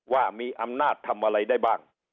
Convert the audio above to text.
ว่ามีอำนาจทำอะไรได้บ้าง